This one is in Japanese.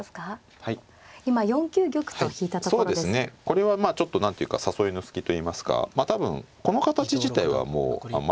これはまあちょっと何ていうか誘いの隙といいますかまあ多分この形自体はもうあんまりいい形。